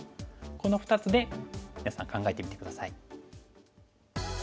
この２つで皆さん考えてみて下さい。